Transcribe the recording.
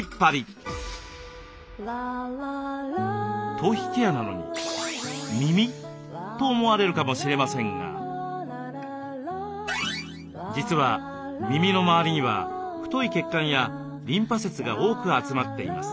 「頭皮ケアなのに耳？」と思われるかもしれませんが実は耳の周りには太い血管やリンパ節が多く集まっています。